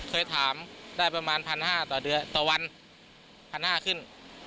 เคยถามได้ประมาณ๑๕๐๐ต่อเดือนต่อวัน๑๕๐๐ขึ้น